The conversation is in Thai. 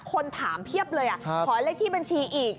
คนถามเพียบเลยขอเลขที่บัญชีอีก